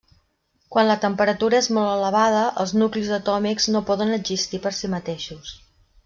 Quan la temperatura és molt elevada, els nuclis atòmics no poden existir per si mateixos.